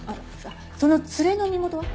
その連れの身元は？